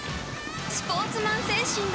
スポーツマン精神だ！